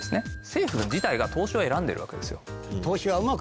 政府自体が投資を選んでるわけですよ。